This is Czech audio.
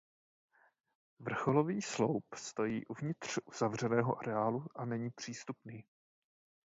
Vrcholový sloup stojí uvnitř uzavřeného areálu a není přístupný.